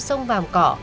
sông vàng cỏ